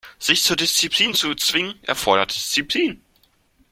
Sich zur Disziplin zu zwingen, erfordert Disziplin.